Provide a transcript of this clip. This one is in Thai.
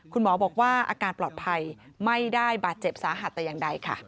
คุณหมอบอกว่าอาการปลอดภัยไม่ได้บาดเจ็บสาหัสแต่อย่างใดค่ะ